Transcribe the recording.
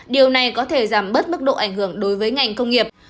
điều này có thể giảm bớt mức độ ảnh hưởng đối với ngành công nghiệp